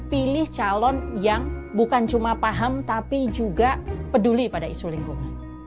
pilih calon yang bukan cuma paham tapi juga peduli pada isu lingkungan